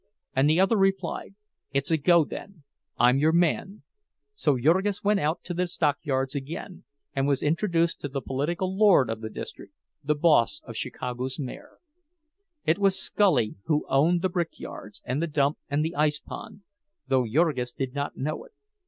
And the other replied, "It's a go, then; I'm your man." So Jurgis went out to the stockyards again, and was introduced to the political lord of the district, the boss of Chicago's mayor. It was Scully who owned the brick yards and the dump and the ice pond—though Jurgis did not know it.